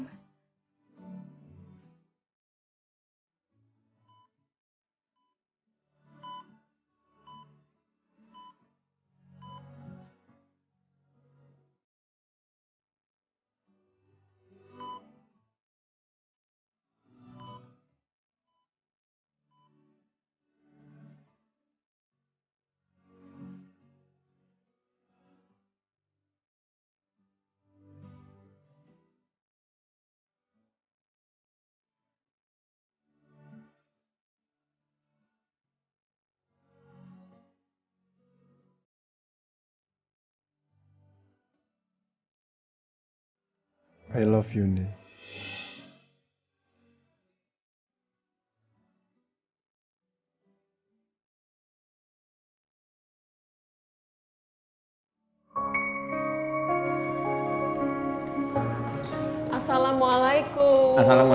aku gak sabar bisa pulang ke rumah sama kamu